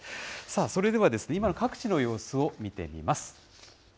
それでは、今の各地の様子を見てみます。